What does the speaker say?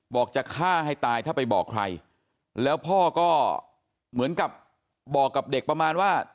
บอกจะฆ่าให้ตายถ้าไปบอกใครแล้วพ่อก็เหมือนกับบอกกับเด็กประมาณว่า